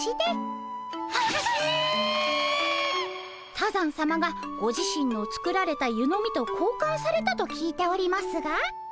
多山さまがご自身の作られた湯飲みとこうかんされたと聞いておりますが。